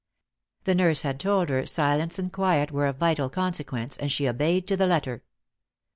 The nurse had told her silence and quiet were of vital consequence, and she oDeyed to the letter.